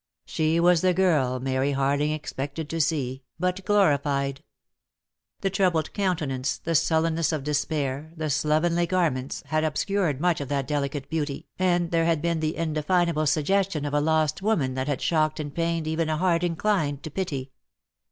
She was the girl Mary Harling expected to see, but glorified. The troubled countenance, the sullenness of despair, the slovenly garments, had obscured much of that delicate beauty, and there had been the indefinable suggestion of a lost woman that had shocked and pained even a heart inclined to pity.